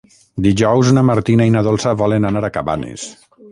Dijous na Martina i na Dolça volen anar a Cabanes.